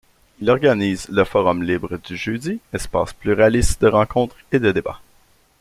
Il organise le Forum libre du jeudi, espace pluraliste de rencontres et de débats.